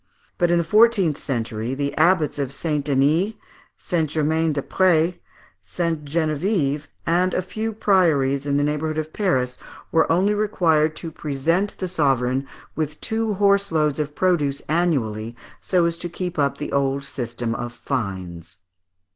But in the fourteenth century, the abbots of St. Denis, St. Germain des Prés, St. Geneviève (Fig. 32), and a few priories in the neighbourhood of Paris, were only required to present the sovereign with two horse loads of produce annually, so as to keep up the old system of fines.